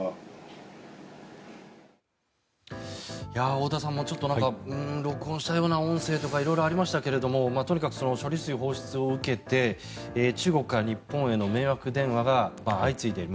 太田さん、ちょっと録音したような音声とか色々ありましたがとにかく処理水放出を受けて中国から日本への迷惑電話が相次いでいる。